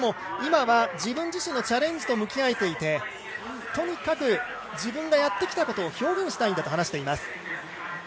今は自分自身のチャレンジと向き合えていてとにかく自分がやってきたことを表現したいんだと話しています。